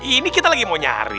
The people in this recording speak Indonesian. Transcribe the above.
ini kita lagi mau nyari